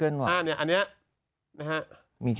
นี่